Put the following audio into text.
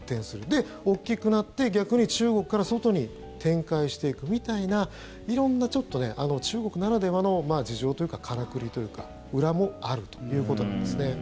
で、大きくなって逆に中国から外に展開していくみたいな色んな、中国ならではの事情というか、からくりというか裏もあるということなんですね。